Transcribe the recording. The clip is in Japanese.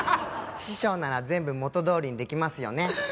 師匠なら全部元どおりにできますよね？